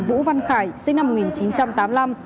vũ văn khải sinh năm một nghìn chín trăm tám mươi năm